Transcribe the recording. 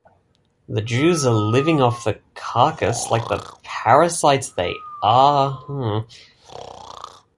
The Jews are living off the carcass like the parasites they are.